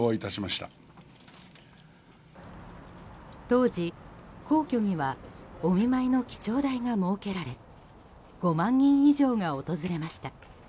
当時、皇居にはお見舞いの記帳台が設けられ５万人以上が訪れました。